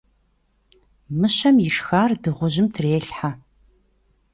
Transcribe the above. Мыщэм ишхар дыгъужьым трелхьэ.